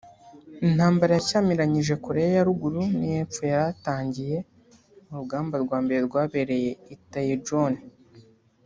Intambara yashyamiranyije Koreya ya ruguru n’iy’epfo yaratangiye mu rugamba rwa mbere rwabereye I Taejon